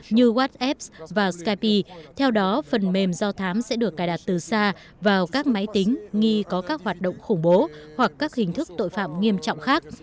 như wf và skype theo đó phần mềm do thám sẽ được cài đặt từ xa vào các máy tính nghi có các hoạt động khủng bố hoặc các hình thức tội phạm nghiêm trọng khác